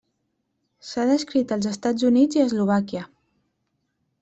S'ha descrit als Estats Units i a Eslovàquia.